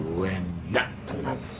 ulan gak tenang